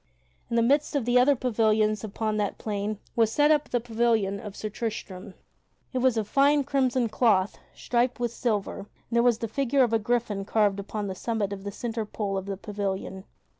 In the midst of the other pavilions upon that plain was set the pavilion of Sir Tristram. It was of fine crimson cloth striped with silver and there was the figure of a gryphon carved upon the summit of the centre pole of the pavilion.